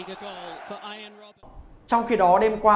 trong khi đó đêm qua